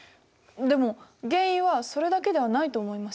でも原因はそれだけではないと思います。